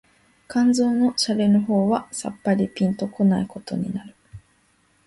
肝腎の洒落の方はさっぱりぴんと来ないことになる